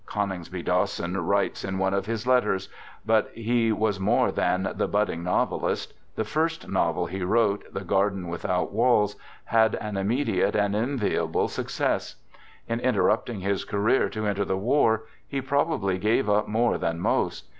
Coningsby Dawson writes in one of his letters. But he was more than the " budding novelist." The first novel he wrote, " The Garden Without Walls," had an immediate and enviable suc cess. In interrupting his career to enter the war, he probably gave up more than most.